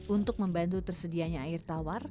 untuk membantu tersedianya air tawar